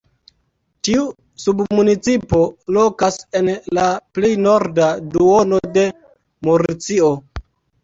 Tiu submunicipo lokas en la plej norda duono de Murcio.